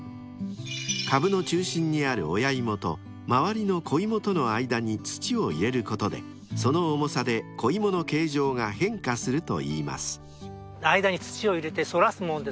［株の中心にある親芋と周りの子芋との間に土を入れることでその重さで子芋の形状が変化するといいます］